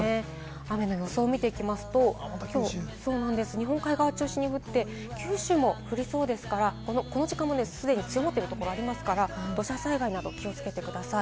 雨の予想を見ていきますと、日本海側を中心に降って、九州も降りそうですから、この時間をすでに強まってるところありますから、土砂災害など気をつけてください。